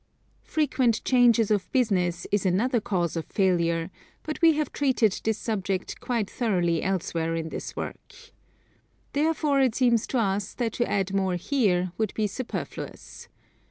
Frequent changes of business is another cause of failure, but we have treated this subject quite thoroughly elsewhere in this work. Therefore it seems to us that to add more here would be superfluous.